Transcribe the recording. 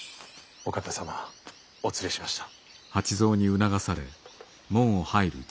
・お方様お連れしました。